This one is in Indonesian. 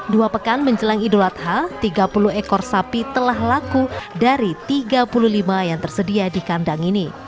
dua pekan menjelang idul adha tiga puluh ekor sapi telah laku dari tiga puluh lima yang tersedia di kandang ini